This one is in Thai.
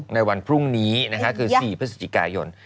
ในวันพรุ่งนี้คือ๔พฤศจิกายน